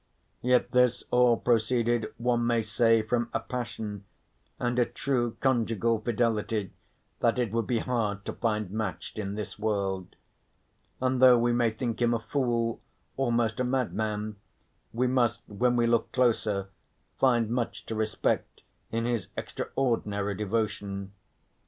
Yet this all proceeded one may say from a passion, and a true conjugal fidelity, that it would be hard to find matched in this world. And though we may think him a fool, almost a madman, we must, when we look closer, find much to respect in his extraordinary devotion.